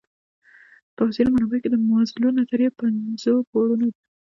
په ځینو منابعو کې د مازلو نظریه پنځو پوړونو ده.